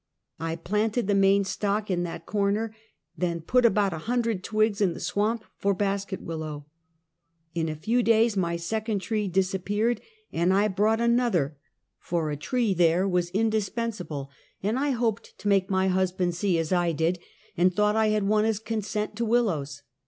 I planted the main stock in that corner, then put about a hundred twigs in the swamp for basket willow. In a few days my second tree dis appeared, and I brought another, for a tree there was indispensable, and I hoped to make my husband see as 1 did, and thought I had won his consent to willows.